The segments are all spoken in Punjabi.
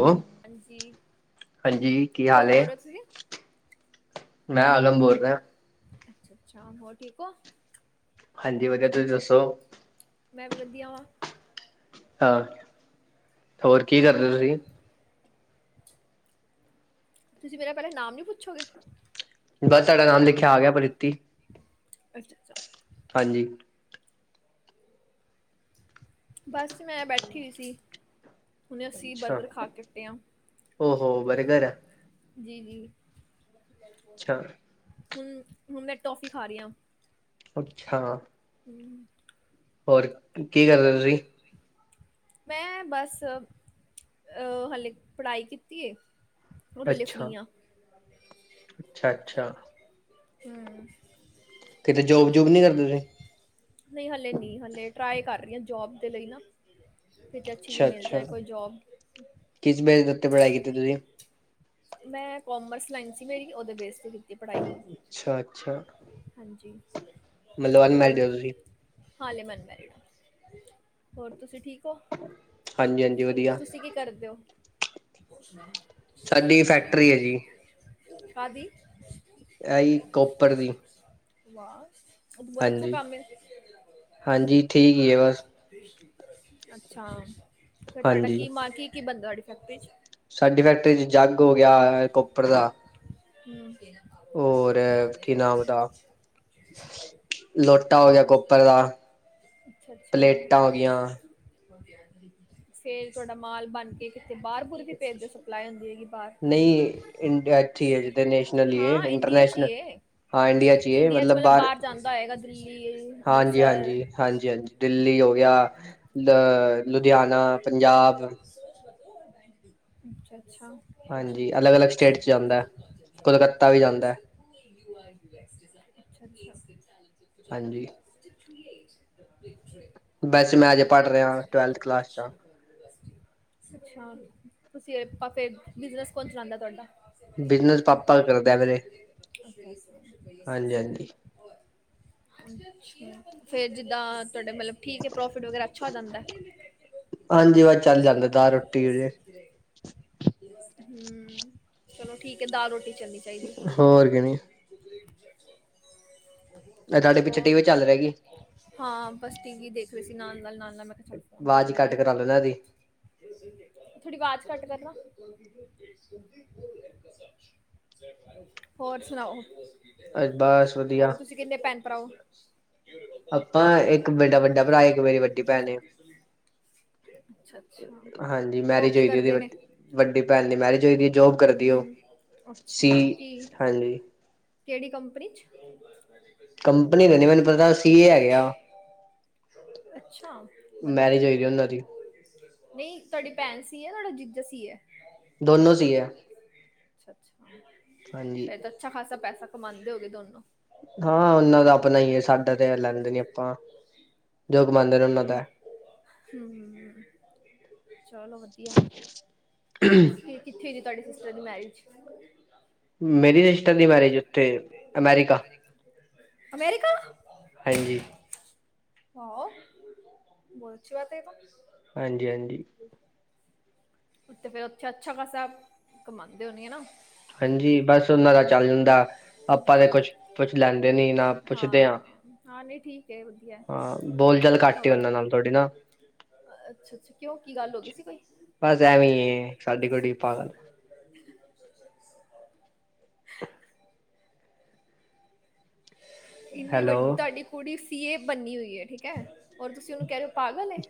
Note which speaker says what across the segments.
Speaker 1: ਓ ਹਾਂਜੀ ਕੀ
Speaker 2: ਕੌਣ
Speaker 1: ਹਾਲ
Speaker 2: ਬੋਲ
Speaker 1: ਏ?
Speaker 2: ਰਹੇ ਹੋ ਤੁਸੀਂ
Speaker 1: ਮੈਂ ਆਰਨ ਬੋਲ ਰੇਆ।
Speaker 2: ਅੱਛਾ-ਅੱਛਾ ਹੋਰ ਠੀਕ ਓ।
Speaker 1: ਹਾਂਜੀ ਵਧੀਆ ਤੁਸੀਂ ਦੱਸੋ?
Speaker 2: ਮੈਂ ਵੀ ਵਧੀਆ ਵਾਂ।
Speaker 1: ਹਾਂ, ਹੋਰ ਕੀ ਕਰਦੇ ਔ ਤੁਸੀਂ?
Speaker 2: ਤੁਸੀਂ ਮੇਰਾ ਪੇਹਲੇ ਨਾਮ ਨਹੀਂ ਪੁੱਛੋਗੇ?
Speaker 1: ਬਸ ਤੁਆਡਾ ਨਾਮ ਲਿਖਿਆ ਆ ਗਿਆ ਪ੍ਰੀਤੀ।
Speaker 2: ਅੱਛਾ-ਅੱਛਾ।
Speaker 1: ਹਾਂਜੀ।
Speaker 2: ਬਸ ਮੈਂ ਬੈਠੀ ਹੋਈ ਸੀ। ਹੁਣੇ ਅਸੀਂ
Speaker 1: ਅੱਛਾ
Speaker 2: ਬਰਗਰ ਖਾ ਕੇ ਹਟੇ ਆਂ।
Speaker 1: ਓਹੋ ਬਰਗਰ
Speaker 2: ਜੀ-ਜੀ
Speaker 1: ਅੱਛਾ
Speaker 2: ਹੁਣ, ਹੁਣ ਮੈਂ ਟੋਫੀ ਖਾ ਰਹੀ ਹਾਂ।
Speaker 1: ਅੱਛਾ।
Speaker 2: ਹੂੰ।
Speaker 1: ਹੋਰ ਕੀ ਕਰਦੇ ਤੁਸੀਂ?
Speaker 2: ਮੈਂ ਬਸ ਅਹ ਹਲੇ ਪੜ੍ਹਾਈ ਕੀਤੀ ਏ। ਓਦੇ ਲਏ ਫਰੀ ਆਂ।
Speaker 1: ਅੱਛਾ-ਅੱਛਾ।
Speaker 2: ਹੂੰ।
Speaker 1: ਕਿਤੇ ਜੋਬ ਜੂਬ ਨੀ ਕਰਦੇ ਤੁਸੀਂ?
Speaker 2: ਨਹੀਂ ਹਲੇ ਨਹੀਂ ਹਲੇ ਟਰਾਏ ਕਰ ਰਹੀ ਹਾਂ ਜੋਬ ਦੇ ਲਈ ਨਾ। ਕਿਤੇ ਅੱਛੀ ਜਿਹੀ
Speaker 1: ਅੱਛਾ
Speaker 2: ਮਿਲ
Speaker 1: ਅੱਛਾ
Speaker 2: ਜਾਏ ਕੋਈ ਜੌਬ।
Speaker 1: ਕਿਸ ਬੇਸ ਦੇ ਉੱਤੇ ਪੜ੍ਹਾਈ ਕੀਤੀ ਤੁਸੀਂ?
Speaker 2: ਮੈਂ ਕੋਮਰਸ ਲਾਈਨ ਸੀ ਮੇਰੀ, ਓਹਦੇ ਬੇਸ ਤੇ ਕੀਤੀ ਪੜ੍ਹਾਈ।
Speaker 1: ਅੱਛਾ ਅੱਛਾ
Speaker 2: ਹਾਂਜੀ,
Speaker 1: ਮਤਲਬ ਅਨਮੈਰਿਡ
Speaker 2: ਹੋਰ?
Speaker 1: ਹੋ ਤੁਸੀਂ
Speaker 2: ਹਾਲੇ ਮੈਂ ਅਨਮੈਰੀਡ ਹਾਂ। ਹੋਰ ਤੁਸੀਂ ਠੀਕ? ਕੋ,
Speaker 1: ਹਾਂਜੀ ਹਾਂਜੀ ਵਧੀਆ
Speaker 2: ਤੁਸੀਂ ਕੀ ਕਰਦੇ ਹੋ?
Speaker 1: ਸਾਡੀ ਫੈਕਟਰੀ ਏ ਜੀ।
Speaker 2: ਕਾਦੀ?
Speaker 1: ਇਹੀ ਕੋਪਰ ਦੀ
Speaker 2: ਵਾਹ। ਏਹ ਤੇ ਬੋਹਤ ਅੱਛਾ
Speaker 1: ਹਾਂਜੀ
Speaker 2: ਕੰਮ ਏ।
Speaker 1: ਹਾਂਜੀ ਠੀਕ ਹੀ ਹੈ ਬਸ
Speaker 2: ਅੱਛਾ, ਫੇਰ ਤੁਆਡਾ
Speaker 1: ਹਾਂਜੀ
Speaker 2: ਕੀ ਮਾ, ਕੀ-ਕੀ ਬਣਦਾ ਤੁਹਾਡੀ ਫੈਕਟਰੀ ਚ?
Speaker 1: ਸਾਡੀ ਫੈਕਟਰੀ ਚ ਜਾਗ ਹੋ ਗੇਆ ਕੋਪਰ ਦਾ।
Speaker 2: ਹੂੰ ਕੇ।
Speaker 1: ਔਰ ਕੀ ਨਾਮ ਓਦਾਂ? ਹੋ ਗਿਆ ਕੋਪਰ ਦਾ ਪਲੇਟਾਂ ਹੋ ਗਈਆਂ
Speaker 2: ਅੱਛਾ-ਅੱਛਾ। ਫੇਰ ਤੁਹਾਡਾ ਮਾਲ ਬਣ ਕੇ ਕਿਤੇ ਬਾਰ ਬੁਰ ਕਿਤੇ ਸਪਲਾਈ ਹੁੰਦੀ ਹੈਗੀ ਬਾਰ?
Speaker 1: ਨਈ, ਇੰਡੀਆ ਐਥੀ ਈ ਏ, ਜਿੱਦੇ ਨੈਸ਼ਨਲ ਈ ਏ,
Speaker 2: ਹਾਂ ਇੰਡੀਆ 'ਚ ਹੀ
Speaker 1: ਇੰਟਰਨੈਸ਼ਨਲ
Speaker 2: ਏ
Speaker 1: ਹਾਂ ਇੰਡੀਆ ਚੀ ਏ
Speaker 2: 'ਚ
Speaker 1: ਮਤਲਬ ਬਾਰ,
Speaker 2: ਬਾਹਰ ਜਾਂਦਾ ਹੋਏਗਾ ਦਿੱਲੀ ਅੰਮ੍ਰਿਤਸਰ
Speaker 1: ਹਾਂਜੀ-ਹਾਂਜੀ, ਹਾਂਜੀ-ਹਾਂਜੀ। ਦਿੱਲੀ ਹੋ ਗੇਆ, ਲ ਲੁਧਿਆਣਾ, ਪੰਜਾਬ।
Speaker 2: ਅੱਛਾ-ਅੱਛਾ।
Speaker 1: ਹਾਂਜੀ ਅਲੱਗ ਅਲੱਗ ਸਟੇਟ ਚ ਜਾਂਦਾ ਕੋਲਕੱਤਾ ਵੀ ਜਾਂਦਾ
Speaker 2: [unintelligible] ਅੱਛਾ-ਅੱਛਾ।
Speaker 1: ਹਾਂਜੀ
Speaker 2: [unintelligible] [unintelligible]
Speaker 1: ਵੈਸੇ ਮੈਂ ਅਜੇ ਪੜ੍ਹ ਰਿਹਾ ਟਵੈਲਥ ਕਲਾਸ ਚ ਹਾਂ,
Speaker 2: ਸਛਾ, ਤੁਸੀਂ ਏ ਪਾਂ ਫੇਰ ਬਿਜਨਸ ਕੌਣ ਚਲਾੰਦਾ ਤੁਆਡਾ?
Speaker 1: ਬਿਜਨਸ ਪਾਪਾ ਕਰਦੇ ਆ ਮੇਰੇ
Speaker 2: [unintelligible] ਓਕੇ।
Speaker 1: ਹਾਂਜੀ ਹਾਂਜੀ
Speaker 2: ਅ ਛਾ, ਫੇਰ ਜਿੱਦਾਂ ਤੁਆਡਾ ਮਤਲਬ ਠੀਕ ਏ, ਪ੍ਰੋਫਿਟ ਵਗੈਰਾ ਅੱਛਾ ਹੋ ਜਾਂਦਾ ਏ?
Speaker 1: ਹਾਂਜੀ, ਵਸ ਚੱਲ ਜਾਂਦਾ ਏ ਦਾਲ ਰੋਟੀੇ [unintelligible]
Speaker 2: ਫਿਰ ਹੂੰ, ਚਲੋ ਠੀਕ ਐ। ਦਾਲ-ਰੋਟੀ ਚੱਲਣੀ ਚਾਈਦੀ ਏ।
Speaker 1: ਹੋਰ ਕਿ ਨੀ ਤੁਹਾਡੇ ਪਿੱਛੇ
Speaker 2: ਹੋਰ
Speaker 1: ਟੀ ਵੀ ਚੱਲ ਰਿਹਾ ਗੀ
Speaker 2: ਹਾਂ, ਬਸ ਟੀ ਵੀ ਦੇਖ ਰੇ ਸੀ ਨਾਲ-ਨਾਲ, ਨਾਲ-ਨਾਲ। ਮੈਂ ਕੈ ਚੱਲ ਫੋਨ ਕਰ
Speaker 1: ਆਵਾਜ਼ ਘੱਟ
Speaker 2: ਲੈਂਣੇ ਆਂ।
Speaker 1: ਕਰਾ ਲੈਣਾ ਇਹਦੀ
Speaker 2: ਥੋੜ੍ਹੀ ਵਾਜ਼ ਘੱਟ ਕਰਨਾ। ਹੋਰ, ਸੁਣਾਓ?
Speaker 1: ਬਸ ਵਧੀਆ
Speaker 2: ਹੋਰ, ਤੁਸੀਂ ਕਿੰਨੇ ਭੈਣ-ਭਰਾ ਓ?
Speaker 1: ਅਪਾਂ ਇੱਕ ਮੇਡਾ ਵੱਡਾ ਭਰਾ, ਇੱਕ ਮੇਰੀ ਵੱਡੀ ਭੈਣ ਏਂ।
Speaker 2: ਅੱਛਾ ਅੱਛਾ
Speaker 1: ਹਾਂਜੀ,
Speaker 2: ਉਹ
Speaker 1: ਮੈਰਿਜ
Speaker 2: ਕੀ
Speaker 1: ਹੋਈ ਦੀ
Speaker 2: ਕਰਦੇ ਨੇ
Speaker 1: ਓਹਦੀੱ ਵੱਡੀ ਭੈਣ ਦੀ ਮੈਰਿਜ ਹੋਈ ਦੀ ਏ। ਜੋਬ ਕਰ ਦੀ ਓ,
Speaker 2: ਹਮ
Speaker 1: ਸੀ ਹਾਂਜੀ।
Speaker 2: ਕੇੜੀ ਕੰਪਨੀ 'ਚ?
Speaker 1: ਕੰਪਨੀ ਤੇ ਨੀ ਮੈਨੂੰ ਪਤਾ, ਸੀ ਏ ਹੈਗੇ ਆ।
Speaker 2: ਅੱਛਾ! ਵਧੀਆ।
Speaker 1: ਮੈਰਿਜ ਹੋਈ ਦੀ ਉਹਨਾਂ ਦੀ
Speaker 2: ਨਹੀਂ, ਤੁਆਡੀ ਭੈਣ ਸੀ ਏ, ਤੁਆਡਾ ਜੀਜਾ ਸੀ ਏ ਐ?
Speaker 1: ਦੋਨੋ ਸੀ ਏ ਐ।
Speaker 2: ਅੱਛਾ- ਅੱਛਾ।
Speaker 1: ਹਾਂਜੀ
Speaker 2: ਫੇਰ ਤਾਂ ਅੱਛਾ ਖਾਸਾ ਪੈਸਾ ਕਮਾੰਦੇ ਹੋ ਗੇ ਦੋਨੋ।
Speaker 1: ਹਾਂ, ਓਨਾਂ ਦਾ ਅਪਣਾ ਹੀ ਏ ਸਾਡਾ ਤੇ ਲੈਂਦੇ ਨੀ ਅਪਾਂ। ਜੋ ਕਮਾਂਦੇ ਨੇ ਓਨਾਂ ਦਾ।
Speaker 2: ਹੂੰ ਹੂੰ ਹੂੰ, ਚਲੋ ਵਧੀਆ। ਸੀ ਕਿੱਥੇ ਹੁਈ ਦੀ ਤਾਡੀ ਸਿਸਟਰ ਦੀ ਮੈਰਿਜ?
Speaker 1: ਮੇਰੀ ਸਿਸਟਰ ਦੀ ਮੈਰਿਜ ਉੱਥੇ ਅਮੈਰੀਕਾ।
Speaker 2: ਅਮੈਰੀਕਾ!
Speaker 1: ਹਾਂਜੀ।
Speaker 2: ਵਾਔ! ਬੋਤ ਅੱਛੀ ਬਾਤ ਏਤਾਂ।
Speaker 1: ਹਾਂਜੀ- ਹਾਂਜੀ।
Speaker 2: ਊਤੇ ਫੇਰ ਓਥੇ ਅੱਛਾ ਖ਼ਾਸਾ ਕਮਾੰਦੇ ਹੋਣਗੇ ਨਾ?
Speaker 1: ਹਾਂਜੀ ਹਾਂਜੀ, ਬਸ ਓਨਾ ਦਾ ਚੱਲ ਜਾਂਦਾ। ਆਪਾਂ ਤੇ ਕੁਛ ਪੁੱਛ ਲੈਂਦੇ ਨੀ ਨਾ ਪੁੱਛਦੇ
Speaker 2: ਹਾਂ। ਹਾਂ ਨਹੀਂ ਠੀਕ ਏ, ਵਧੀਐ।
Speaker 1: ਹਾਂ ਬੋਲ ਚਾਲ ਘੱਟ ਹੀ
Speaker 2: ਹੋਰ
Speaker 1: ਉਹਨਾਂ ਨਾਲ ਤੁਹਾਡੀ ਨਾ
Speaker 2: ਅੱਛਾ- ਅੱਛਾ। ਕਿਓਂ ਕੀ ਗੱਲ ਹੋ ਗਈ ਸੀ ਕੋਈ?
Speaker 1: ਬਸ ਐਵੇਂ ਏ ਸਾਡੀ ਕੁੜੀ ਪਾਗਲ
Speaker 2: ਹੂ ਸਤ ਸ਼ੀ ਅਕਾਲ। ਇੰਨੀ
Speaker 1: ਹੈਲੋ
Speaker 2: ਵੱਡ, ਤਾਡੀ ਕੁੜੀ ਸੀ ਏ ਬੰਨੀ ਹੋਈ ਐ, ਠੀਕ ਹੈ। ਔਰ ਤੁਸੀਂ ਉਨੂੰ ਕੈ ਰੇ ਔ ਪਾਗਲ ਏ।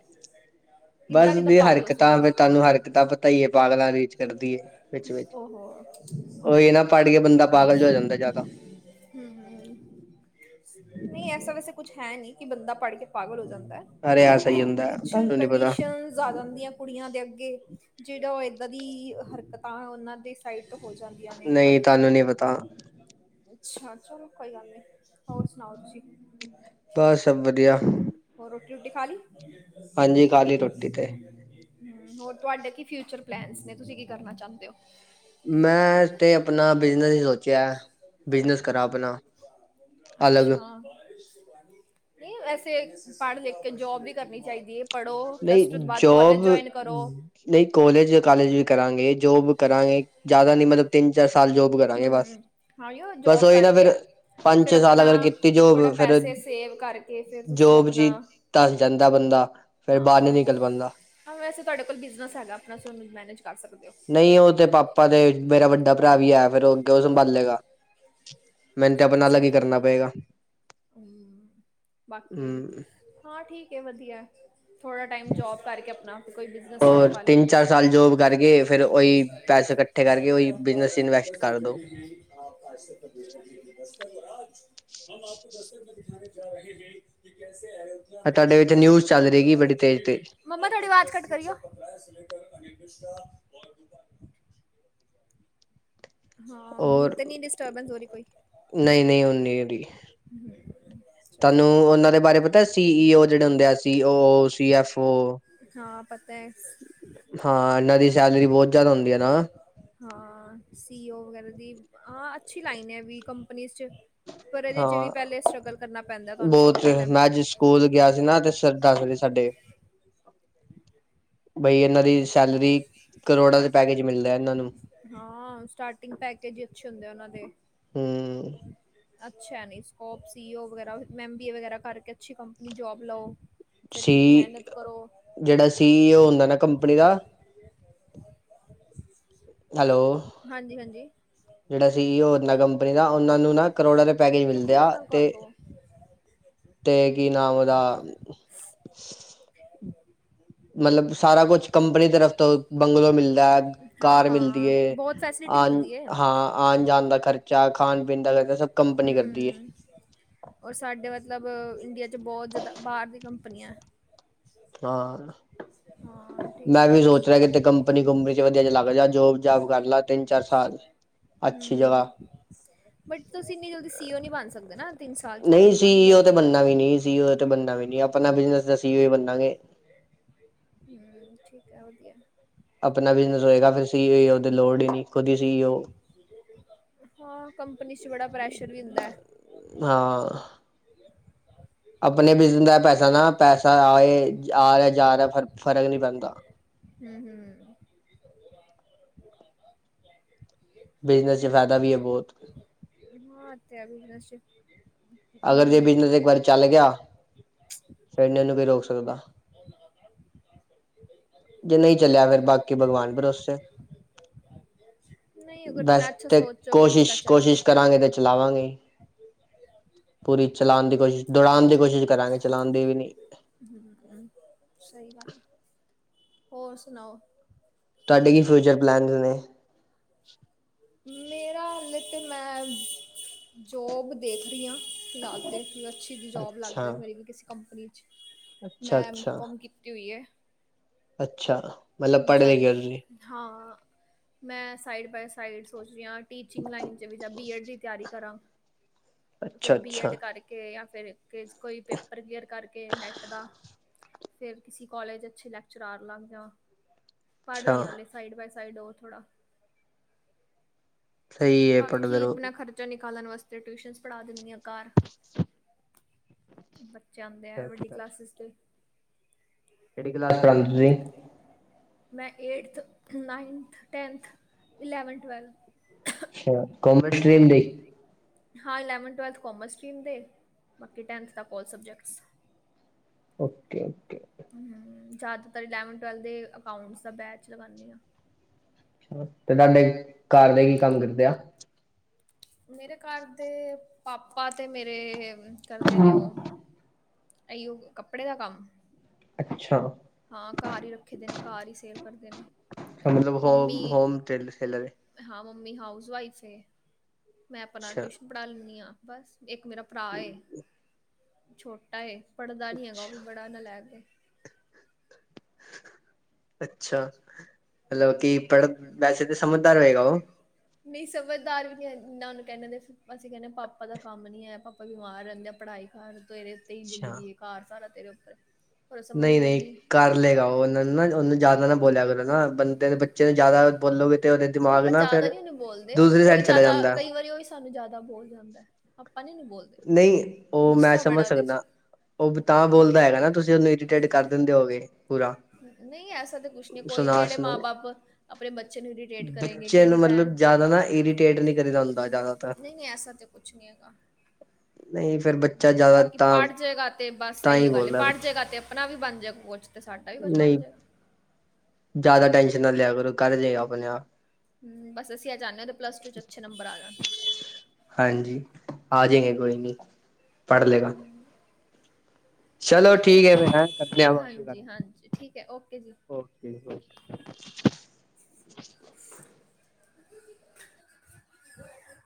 Speaker 1: ਬਸ ਉਦੀਆਂ ਹਰਕਤਾਂ ਤਾਨੂੰ ਹਰਕਤਾਂ ਪਤਾ ਈਏ, ਪਾਗਲਾਂ ਰੀਚ ਕਰਦੀ ਏ। ਵੇੱਚ-ਵੋੱਚ।
Speaker 2: ਓਹੋ
Speaker 1: ਓਈ ਏਨਾ ਪੜ ਕੇ ਬੰਦਾ ਪਾਗਲ ਜਾ ਹੋ ਜਾਂਦੈ ਜੈਦਾ।
Speaker 2: ਹੂੰ- ਹੂੰ ਨਹੀਂ ਐਸਾ ਵੈਸੇ ਕੁਛ ਹੈ ਨਹੀਂ ਕਿ ਬੰਦਾ ਪੜ੍ਹ ਕੇ ਪਾਗਲ ਹੋ ਜਾਂਦਾ।
Speaker 1: ਅਰੇ ਆ ਸਹੀ ਹੁੰਦਾ
Speaker 2: ਕੁਛ
Speaker 1: ਤੁਹਾਨੂੰ ਨੀ ਪਤਾ
Speaker 2: ਕੰਡੀਸ਼ਨ ਜ਼ਿਆਦਾ ਹੁੰਦੀਆਂ। ਕੁੜੀਆਂ ਦੇ ਅੱਗੇ, ਜਿਹੜਾ ਉਹ ਇਏਦਾਂ ਦੀ ਹਰਕਤਾਂ ਉਹਨਾਂ ਦੇ ਸਾਈਡ ਤੋਂ ਹੋ ਜਾਂਦੀਆਂ ਨੇ।
Speaker 1: ਨਹੀਂ ਤੁਹਾਨੂੰ ਨੀ ਪਤਾ
Speaker 2: ਅੱਛਾ, ਚਲੋ ਕੋਈ ਗੱਲ ਨੀ, ਹੋਰ ਸੁਣਾਓ ਤੁਸੀਂ?
Speaker 1: ਬਸ ਸਭ ਵਧੀਆ
Speaker 2: ਹੋਰ ਰੋਟੀ -ਰੋਟੀ ਖਾ ਲੀ?
Speaker 1: ਹਾਂਜੀ ਖਾ ਲਈ ਰੋਟੀ ਤੇ
Speaker 2: ਹੂ, ਹੋਰ ਤੁਹਾਡੇ ਕੀ ਫਿਊਚਰ ਪਲੈਨਸ ਨੇ, ਤੁਸੀਂ ਕੀ ਕਰਨਾ ਚਾਹੁੰਦੇ ਹੋ?
Speaker 1: ਮੈਂ ਤੇ ਆਪਣਾ ਬਿਜਨਸ ਹੀ ਸੋਚਿਆ। ਬਿਜਨਸ ਕਰਾਂ ਆਪਣਾ। ਅਲੱਗ
Speaker 2: ਅੱਛਾ ਨਈ ਵੈਸੇ ਪੜ੍ਹ ਲਿਖ ਕੇ ਜੋਬ ਵੀ ਕਰਨੀ ਚਾਈਦੀ ਏ। ਪੜ੍ਹੋ ਪਲੱਸ ਟੂ ਤੋਂ ਬਾਅਦ ਕੋਲੇਜ ਜੋਇਨ ਕਰੋ।
Speaker 1: ਨਈ ਕੋਲੇਜ ਕਾਲਜ ਵੀ ਕਰਾਂਗੇ ਜੋਬ ਕਰਾਂਗੇ ਜ਼ਿਆਦਾ ਨੀ ਮਤਲ ਤਿੰਨ ਚਾਰ ਸਾਲ ਜੋਬ ਕਰਾਂਗੇ ਬਸ
Speaker 2: ਹਮ ਹਾਂ ਯੋ
Speaker 1: ਬਸ
Speaker 2: ਜੋਬ
Speaker 1: ਓਈ ਨਾ
Speaker 2: ਕਰਕੇ
Speaker 1: ਫੇਰ ਪੰਜ
Speaker 2: ਫਿਰ
Speaker 1: ਛੇ ਸਾਲ
Speaker 2: ਆਪਣਾ
Speaker 1: ਅਗਰ ਕੀਤੀ ਜੋਬ
Speaker 2: ਥੋੜਾ
Speaker 1: ਫਿਰ
Speaker 2: ਪੈਸੇ ਸੇਵ ਕਰਕੇ ਫਿਰ ਤੁਸੀਂ
Speaker 1: ਜੋਬ
Speaker 2: ਆਪਣਾ
Speaker 1: ਚੀ ਧਸ ਜਾਂਦਾ ਬੰਦਾ ਫੇਰ ਬਾਹਰ ਨੀ
Speaker 2: ਹਾਂ,
Speaker 1: ਨਿਕਲ ਪਾਉਂਦਾ
Speaker 2: ਹਾਂ ਵੈਸੇ ਤਾਡੇ ਕੋਲ ਬਿਜਨਸ ਹੈਗਾ ਆਪਣਾ ਸ ਉਨੂੰ ਮੈਨੇਜ ਕਰ ਸਕਦੇ ਓ
Speaker 1: ਨਈ ਓ ਤੇ ਪਾਪਾ ਤੇ ਮੇਰਾ ਵੱਡਾ ਭਰਾ ਵੀ ਹੈ ਫੇਰ ਅੱਗੇ ਓ ਸੰਭਾਲੇਗਾ। ਮੇਨ ਤੇ ਆਪਣਾ ਅਲੱਗ ਈ ਕਰਨਾ ਪਏਗਾ।
Speaker 2: ਹੁੰ ਬਾਕੀ
Speaker 1: ਹਮ
Speaker 2: ਹਾਂ ਠੀਕ ਏ ਵਧੀਐ। ਥੋੜਾ ਟਾਈਮ ਜੋਬ ਕਰਕੇ ਆਪਣਾ ਕੋਈ ਬਿਜਨਸ ਹੱਥ
Speaker 1: ਹੋਰ
Speaker 2: ਪਾ ਲੈ।
Speaker 1: ਤਿੰਨ ਚਾਰ ਸਾਲ ਜੋਬ ਕਰਕੇ ਫਿਰ ਉਹੀ ਪੈਸੇ ਇਕੱਠੇ ਕਰਕੇ
Speaker 2: ਸਾਾਰੇ
Speaker 1: ਉਹੀ
Speaker 2: ਆਪ ਕ
Speaker 1: ਬਿਜਨਸ
Speaker 2: ਰਾਤ
Speaker 1: ਇਨਵੈਸਟ
Speaker 2: ਦਸ
Speaker 1: ਕਰ
Speaker 2: ਬਜ
Speaker 1: ਦੋ
Speaker 2: ਗਏ ਹੈ [unintelligible] [unintelligible] ਦਸਤਕ ਮੇ ਦਿਖਾਣੇ ਜਾ ਰਹੇ ਹੈਂ ਕਿ ਕੈੇਸੇ ਆਏਂ।
Speaker 1: ਐ ਤਾਡੇ ਵਿੱਚ ਨਿਊਜ਼ ਚੱਲ ਰੇਗੀ ਬੜੀ ਤੇਜ ਤੇਜ।
Speaker 2: ਮਮਾਂ ਥੋੜੀ ਵਾਜ ਘੱਟ ਕਰੀਓ। ਹਾਂ ਹੁਣ
Speaker 1: ਔਰ
Speaker 2: ਤੇ ਨਹੀਂ ਡਿਸਟਰਬੈਂਸ ਹੋ ਰਹੀ ਕੋਈ
Speaker 1: ਨਈ ਨਈ ਹੁਣ ਨੀ ਔਰੀ। ਤਾਨੂੰ
Speaker 2: ਚਲੋ
Speaker 1: ਓਨਾਂ ਦੇ ਬਾਰੇ ਪਤਾ ਸੀ ਈ ਓ ਜਿਹੜਾ ਹੁੰਦੇ ਆ ਸੀ ਈ ਓ, ਸੀ ਐਫ ਓ।
Speaker 2: ਹਾਂ ਪਤਾ ਹੈ
Speaker 1: ਹਾਂ ਇਨਾਂ ਦੀ ਸੈਲਰੀ ਬੋਤ ਜਾਦਾ ਹੁੰਦੀ ਐ ਨਾ।
Speaker 2: ਹਾਂ ਸੀ ਓ ਵਗੈਰਾ ਦੀ ਆਂ ਅੱਛੀ ਲਾਈਨ ਏ ਵੀ ਕੰਪਨੀਸ ਚ। ਪਰ ਏ ਦੇ ਚ ਵੀ
Speaker 1: ਹਾਂ
Speaker 2: ਪੇਲੇ ਸਟਰਗਲ ਕਰਨਾ ਪੈਂਦਾ ਤਾਨੂੰ ਛੋਟੇ ਲੈ
Speaker 1: ਕੋਲ ਗਿਆ ਸੀ ਨਾ ਤੇ ਸਰ ਟਾਂਗਰੇ ਸਾਡੇ ਬਈ ਇਨਾਂ ਦੀ ਸੈਲਰੀ ਕਰੋੜਾਂ ਦੇ ਪੈਕੇਜ ਮਿਲਦਾ ਇਨਾਂ ਨੂੰ।
Speaker 2: ਹਾਂ ਸਟਾਰਟਿੰਗ ਪੈਕੇਜ ਈ ਅੱਛੇ ਹੁੰਦੇ ਉਨਾਂ ਦੇ।
Speaker 1: ਹੁੰ।
Speaker 2: ਅੱਛਾ ਐ ਨੀ ਸਕੋਪ ਸੀ ਓ ਵਗਰਾ ਐਮ ਬੀ ਏ ਵਗੈਰਾ ਕਰਕੇ ਅੱਛੀ ਕੰਪਨੀ ਜੋਬ ਲਓ। ਫੇਰ ਮਿਹਨਤ ਕਰੋ।
Speaker 1: ਜਿੜਾ ਸੀ ਈ ਓ ਹੁੰਦਾ ਨਾ ਕੰਪਨੀ ਦਾ
Speaker 2: ਹ [unintelligible] [inaudible]
Speaker 1: ਹੈਲੋ
Speaker 2: ਹਾਂਜੀ ਹਾਂਜੀ
Speaker 1: ਜਿੜਾ ਸੀ ਓ ਹੁੰਦਾ ਕੰਪਨੀ ਦਾ ਓਨਾਂ ਨੂੰ ਨਾ ਕਰੋੜਾਂ ਦੇ ਪੈਕੇਜ ਮਿਲਦੇ ਆ
Speaker 2: ਖੂਨ ਨਾਲ
Speaker 1: ਤੇ
Speaker 2: ਕਰ ਦੋ
Speaker 1: ਅਤੇ ਕੀ ਨਾਮ ਓਦਾ ਮਲਬ ਸਾਰਾ ਕੁਛ ਕੰਪਨੀ ਤਰਫ਼ ਤੋਂ ਬੰਗਲੋ ਮਿਲਦੈ
Speaker 2: ਹਾਂ
Speaker 1: ਕਾਰ ਮਿਲਦੀ
Speaker 2: ਹਾਂ
Speaker 1: ਏ।
Speaker 2: ਬਹੁਤ ਫੈਸਿਲਿਟੀ
Speaker 1: ਅਨ
Speaker 2: ਮਿਲਦੀ ਹੈ
Speaker 1: ਹਾਂ ਆਣ ਜਾਣ ਦਾ ਖਰਚਾ ਖਾਣ ਪੀਣ ਦਾ ਲੈ ਕੇ ਸਭ ਕੰਪਨੀ ਕਰਦੀ ਏ।
Speaker 2: ਹਮ ਔਰ ਸਾਡੇ ਮਤਲਬ ਇੰਡੀਆ 'ਚ ਬੋਤ ਜ਼ਦਾ ਬਾਅਰ ਦੀ ਕੰਪਨੀਐ।
Speaker 1: ਹਾਂ
Speaker 2: ਹਾਂ
Speaker 1: ਮੈਂ
Speaker 2: ਠੀਕ ਹੈ
Speaker 1: ਵੀ ਸੋਚ ਰਿਆ ਕਿਤੇ ਕੰਪਨੀ ਕੁੰਪਨੀ ਚ ਵਧੀਆ ਜੇਆ ਲੱਗ ਜਾਂ ਜੋਬ ਜਾਬ ਕਰ ਲਾ ਤਿੰਨ ਚਾਰ ਸਾਲ। ਅੱਛੀ ਜਗਾ।
Speaker 2: ਹਮ ਬਟ ਤੁਸੀਂ ਇੰਨੀ ਜਲਦੀ ਸੀ ਓ ਨੀ ਬਣ ਸਕਦੇ ਨਾ। ਤਿੰਨ ਸਾਲ 'ਚ
Speaker 1: ਨਈ
Speaker 2: ਤਿੰਨ
Speaker 1: ਸੀ
Speaker 2: ਤੁਹਾਨੂੰ
Speaker 1: ਈ ਓ
Speaker 2: ਬਹੁਤ
Speaker 1: ਤੇ ਬਣਨਾ ਵੀ ਨੀ ਸੀ ਓ ਤੇ ਬਣਦਾ ਵੀ ਨੀ ਆਪਣਾ ਬਿਜਨਸ ਦਾ ਸੀ ਓ ਬਨਾਗੇ।
Speaker 2: ਕਿ ਹੋਇਆ? ਠੀਕ ਐ ਵਦੀਆ।
Speaker 1: ਆਪਣਾ ਬਿਜਨਸ ਹੋਏਗਾ ਫਿਰ ਸੀ ਈ ਓ ਦੀ ਲੋੜ ਈ ਨਈ ਖੁਦ ਹੀ ਸੀ ਏ ਓ।
Speaker 2: ਹੋਰ ਕੰਪਨੀ ਚ ਬੜਾ ਪ੍ਰੈਸ਼ਰ ਵੀ ਹੁੰਦੈ।
Speaker 1: ਹਾਂ ਆਪਣੇ ਬਿਜਨਸ ਦਾ ਪੈਸਾ ਨਾ, ਪੈਸਾ ਆਏ ਆ ਰਿਹਾ ਜਾ ਰਿਹਾ ਫਰਕ, ਫ਼ਰਕ ਨਹੀਂ ਪੈਂਦਾ।
Speaker 2: ਹਮ ਹਮ [unintelligible] [inaudible]
Speaker 1: ਬਿਜਨਸ ਚ ਫ਼ਾਇਦਾ ਵੀ ਏ ਬਹੁਤ।
Speaker 2: ਹਾਂ [unintelligible] ਅਤ [unintelligible] ਸ
Speaker 1: ਅਗਰ ਜੇ ਬਿਜਨਸ ਇੱਕ ਵਾਰੀ ਚੱਲ ਗਿਆ। [unintelligible] ਨੂੰ ਕੀ ਰੋਕ ਸਕਦਾ।
Speaker 2: [inaudible]
Speaker 1: ਜੇ ਨਹੀਂ ਚੱਲਿਆ, ਫਿਰ ਬਾਕੀ ਭਗਵਾਨ ਭਰੋਸੇ।
Speaker 2: ਨਹੀਂ ਅਗਰ ਨਾ
Speaker 1: ਬਸ,
Speaker 2: ਅੱਛਾ
Speaker 1: ਤੇ
Speaker 2: ਸੋਚੋਗੇ ਪਤਾ
Speaker 1: ਕੋਸ਼ਿਸ਼,
Speaker 2: ਚੱਲੇ
Speaker 1: ਕੋਸ਼ਿਸ਼ ਕਰਾਂਗੇ ਇੰਦੇ ਇਚ। ਲਾਵਾਂਗੇ ਈ, ਪੂਰੀ ਚਲਾਉਣ ਦੀ ਕੋਸ਼ਿਸ਼, ਦੌੜਾਉਣ ਦੀ ਕੋਸ਼ਿਸ਼ ਕਰਾਂਗੇ। ਚਲਾਂਦੀ ਵੀ ਨੀਂ।
Speaker 2: ਸਹੀ ਗੱਲ ਹੈ, ਹੋਰ ਸੁਣਾਓ।
Speaker 1: ਤੁਹਾਡੇ ਕੀ ਫਿਊਚਰ ਪਲਾਨ [unintelligible] ਨੇ।
Speaker 2: ਮੇਰਾ [unintelligible] ਮੈਮ ਜੋਬ ਦੇਖ ਰਹੀ ਹਾਂ, ਫਿਲਹਾਲ ਤੇ ਮੈ। ਅੱਛੀ ਜੀ ਜੋਬ ਲੱਗ
Speaker 1: ਅੱਛਾ
Speaker 2: ਜਾਵੇ ਮੇਰੀ ਵੀ ਕਿਸੇ ਕੰਪਨੀ 'ਚ,
Speaker 1: ਅੱਛਾ
Speaker 2: ਮੈਂ ਐਮ
Speaker 1: ਅੱਛਾ
Speaker 2: ਕੌਮ ਕੀਤੀ ਹੋਈ ਏ।
Speaker 1: ਅੱਛਾ। ਮਤਲਬ ਪੜ੍ਹ
Speaker 2: ਚਲ,
Speaker 1: ਲਿਖੇ ਹੋ ਤੁਸੀਂ
Speaker 2: ਹਾਂ, ਮੈਂ ਸਾਈਡ ਬਾਏ ਸਾਈਡ ਸੋਚ ਰਹੀ ਹਾਂ। ਟੀਚਿੰਗ ਲਾਈਨ 'ਚ ਵੀ, ਜਾਂ ਬੀਐਡ ਦੀ ਤਿਆਰੀ ਕਰਾਂ, ਫਿਰ
Speaker 1: ਅੱਛਾ ਅੱਛਾ
Speaker 2: ਬੀਐਡ ਕਰਕੇ ਜਾਂ ਫਿਰ। ਕੋਈ ਪੇਪਰ ਕਲੀਅਰ ਕਰਕੇ ਨੈਟ ਦਾ। ਫੇਰ ਕਿਸੇ ਕੋਲੇਜ ਅੱਛੇ ਲੈਕਚਰਾਰ ਲੱਗ ਜਾ। ਪੜ੍ਹ
Speaker 1: ਅੱਛਾ
Speaker 2: ਰਹੀ ਆ, ਹਾਲੇ ਸਾਈਡ ਬਾਏ ਸਾਈਡ ਹੋਰ ਥੋੜ੍ਹਾ।
Speaker 1: ਸਹੀ ਹੈ ਪੜ੍ਹਦੇ
Speaker 2: ਬਾਕੀ
Speaker 1: ਰਹੋ
Speaker 2: ਆਪਣਾ ਖ਼ਰਚਾ ਨਿਕਾਲਣ ਵਾਸਤੇ, ਟਿਊਸ਼ਨਸ ਪੜ੍ਹਾ ਦਿੰਦੀ ਆਂ ਘਰ। ਬੱਚੇ ਆਉਂਦੇ ਐ,
Speaker 1: ਅੱਛਾ
Speaker 2: ਵੱਡੀ
Speaker 1: ਅੱਛਾ
Speaker 2: ਕਲਾਸਿਸ ਦੇ।
Speaker 1: ਕਿਹੜੀ ਕਲਾਸ ਚਲ ਰਹੀ ਏ।
Speaker 2: ਮੈਂ eighth, ninth, tenth, eleven, twelve.
Speaker 1: ਅੱਛਾ ਕੋਮਰਸ ਸਟ੍ਰਿਮ ਲਈ।
Speaker 2: ਹਾਂ ਇਲੈਵਨਥ ਟਵੈਲਥ ਕੋਮਰਸ ਸਟਰੀਮ ਦੇ ਬਾਕੀ ਟੈਂਥ ਤੱਕ ਕੋਲ ਸਬਜੈਕਟਸ।
Speaker 1: ਓਕੇ। ਓਕੇ
Speaker 2: ਜ਼ਿਆਦਾਤਰ ਇਲੈਵਨ-ਟਵੈਲਥ ਦੇ ਅਕਾਊਂਟਸ ਦਾ ਬੈਚ ਲਗਾਉਂਦੇ ਹਾਂ।
Speaker 1: ਤੇ ਤੁਹਾਡੇ ਘਰ ਦੇ ਕੀ ਕੰਮ ਕਰਦੇ ਆ?
Speaker 2: ਮੇਰੇ ਘਰ ਦੇ, ਪਾਪਾ ਤੇ, ਮੇਰੇ ਕਰਦੇ ਨੇ ਉਹ ਅਹੀਓ, ਕੱਪੜੇ ਦਾ ਕੰਮ।
Speaker 1: ਅੱਛਾ।
Speaker 2: ਹਾਂ ਘਰ ਹੀ ਰੱਖੀ ਦੇ ਨੇ, ਘਰ ਹੀ ਸੇਲ ਕਰਦੇ ਨੇ।
Speaker 1: ਮਤਲਬ
Speaker 2: ਮੰਮੀ
Speaker 1: ਹੋਮ [unintelligible] ਹੋਲਸੇ [unintelligible]
Speaker 2: ਹਾਂ, ਮੰਮੀ ਹਾਊਸ ਵਾਈਫ ਸੀ, ਮੈਂ ਆਪਣਾ
Speaker 1: ਅੱਛਾ
Speaker 2: ਟਿਊਸ਼ਨ ਪੜ੍ਹਾ ਲੈਣੀ ਆ। ਬਸ ਇੱਕ ਮੇਰਾ ਭਰਾ ਏ, ਛੋਟਾ ਏ, ਪੜ੍ਹਦਾ ਨੀ ਹੈਗਾ ਉਹ ਵੀ। ਬੜਾ ਨਲੈਕ ਏ।
Speaker 1: ਅੱਛਾ, ਮਤਲਬ ਕਿ, ਪੜ੍ਹ, ਵੈਸੇ ਤਾਂ ਸਮਝਦਾਰ ਹੋਏਗਾ ਉਹ।
Speaker 2: ਨਹੀਂ, ਸਮਝਦਾਰ ਵੀ ਨੀਂ, ਨਾ ਓਨੂੰ ਕਹਿੰਦੇ, ਅਸੀਂ ਕਹਿੰਦੇ ਪਾਪਾ ਦਾ ਕੰਮ ਨਹੀਂ ਹੈ, ਪਾਪਾ ਬਿਮਾਰ ਰਹਿੰਦੇ ਆ, ਪੜ੍ਹਾਈ। ਹੁਣ ਤੇਰੇ ਉਤੇ ਹੀ
Speaker 1: ਅੱਛਾ
Speaker 2: ਜ਼ਿੰਦਗੀ ਏ, ਭਾਰ ਸਾਰਾ ਤੇਰੇ ਉਤੇ।
Speaker 1: ਨਹੀਂ-ਨਹੀਂ, ਕਰ ਲਏਗਾ ਉਹ, ਉਹਨਾਂ ਨੂੰ ਨਾ, ਉਹਨੂੰ ਜ਼ਿਆਦਾ ਨਾ ਬੋਲਿਆ ਕਰੋ ਨਾ, [unintelligible] ਬੱਚੇ ਨੂੰ। ਜ਼ਿਆਦਾ ਬੋਲੋਗੇ ਤੇ ਉਹਦੇ
Speaker 2: ਨਹੀਂ
Speaker 1: ਦਿਮਾਗ
Speaker 2: ਪਰ
Speaker 1: ਨਾ
Speaker 2: ਜ਼ਿਆਦਾ
Speaker 1: ਫੇਰ,
Speaker 2: ਨਹੀਂ ਉਹਨੂੰ ਬੋਲਦੇ
Speaker 1: ਦੂਸਰੀ
Speaker 2: ਉਹ
Speaker 1: ਸਾਈਡ
Speaker 2: ਹੀ
Speaker 1: ਚਲਾ
Speaker 2: ਜ਼ਿਆਦਾ
Speaker 1: ਜਾਂਦੈ।
Speaker 2: ਕਈ ਵਾਰੀ ਉਹ ਹੀ ਸਾਨੂੰ ਜਿਆਦਾ ਬੋਲ ਜਾਂਦਾ ਐ, ਆਪਾਂ ਨੀ ਨੀ ਬੋਲਦੇ।
Speaker 1: ਨਈਂ ਉਹ ਮੈਂ
Speaker 2: ਗੁੱਸਾ
Speaker 1: ਸਮਝ
Speaker 2: ਬੜਾ ਉਹਦੇ 'ਚ
Speaker 1: ਸਕਦਾ। ਉਹ ਤਾਂ ਬੋਲਦਾ ਹੈਗਾ ਨਾ ਤੁਸੀਂ ਉਹਨੂੰ ਇਰੀਟੇਟ ਕਰ ਦਿੰਦੇ ਹੋਗੇ ਪੂਰਾ।
Speaker 2: ਨਈਂ ਐਸਾ ਤਾਂ ਕੁਛ ਨੀਂ ਕੋਈ
Speaker 1: ਸੁਣਾ
Speaker 2: ਕਿਹੜੇ
Speaker 1: ਸੁਣੋ
Speaker 2: ਮਾਂ-ਬਾਪ ਆਪਣੇ ਬੱਚੇ ਨੂੰ ਇਡੀਟੇਟ ਕਰੇਗੇ
Speaker 1: ਬੱਚੇ
Speaker 2: ਕੇੜੀ
Speaker 1: ਨੂੰ
Speaker 2: ਭੈਣ
Speaker 1: ਮਤਲਬ ਜ਼ਿਆਦਾ ਨਾਂ ਇਰੀਟੇਟ ਨੀਂ ਕਰੀਦਾ ਹੁੰਦਾ ਜਿਆਦਾ
Speaker 2: ਨ੍ਹੀਂ ਐਸਾ ਤਾਂ ਕੁਛ ਨੀਂ ਹੈਗਾ।
Speaker 1: ਨਈਂ ਫਿਰ
Speaker 2: ਬਾਕੀ ਪੜ੍ਹ ਜੇਗਾ ਤੇ ਬਸ
Speaker 1: ਤਾਂ
Speaker 2: ਇਹੀ
Speaker 1: ਹੀ
Speaker 2: ਓ ਗੱਲ ਏ
Speaker 1: ਬੋਲਦਾ
Speaker 2: ਪੜ੍ਹ ਜੇਗ੍ਹਾ
Speaker 1: ਬੱਚਾ
Speaker 2: ਤੇ ਆਪਣਾ ਵੀ ਬਣ ਜੇਗਾ ਕੁਛ ਤੇ ਸਾਡਾ ਵੀ ਕੁਛ
Speaker 1: ਨਹੀਂ
Speaker 2: ਬਣ ਜੇਗਾ।
Speaker 1: ਜ਼ਿਆਦਾ ਟੈਨਸ਼ਨ ਨਾ ਲਿਆ ਕਰੋ, ਕਰ ਜੇ ਆਪਣੇ ਆਪ।
Speaker 2: ਹਂ, ਬਸ ਅਸੀਂ ਇਹ ਚਾਣੇ ਆਂ, ਓਦੇ ਪਲੱਸ ਟੂ ਚ ਅੱਛੇ ਨੰਬਰ ਆ ਜਾਣ।
Speaker 1: ਹਾਂਜੀ, ਆਜੇਗੇਂ ਕੋਈ ਨੀਂ ਪੜ੍ਹ ਲੇਗਾ।
Speaker 2: ਹਮ,
Speaker 1: ਚਲੋ ਠੀਕ ਐ ਫਿਰ ਹੈਂ
Speaker 2: ਹਾਂਜੀ, ਹਾਂਜੀ ਠੀਕ ਹੈ ਓਕੇ ਜੀ।
Speaker 1: [unintelligible] ਠੀਕ ਐ ਜੀ।
Speaker 2: [inaudible]